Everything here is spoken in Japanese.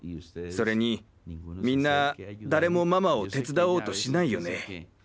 それにみんな誰もママを手伝おうとしないよね。